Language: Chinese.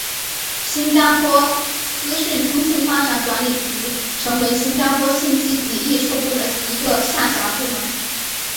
新加坡资讯通信发展管理局成为新加坡信息及艺术部的一个下辖部门。